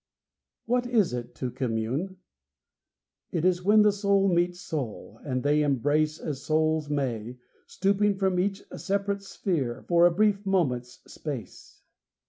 What is it to commune? It is when soul meets soul, and they embrace As souls may, stooping from each separate sphere For a brief moment's space.